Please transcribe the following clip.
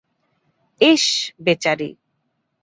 ইশ, বেচারী।